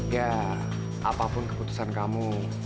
ya apapun keputusan kamu